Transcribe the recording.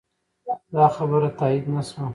دا خبره تایید نه شوه.